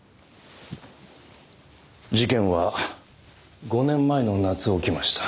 事件は５年前の夏起きました。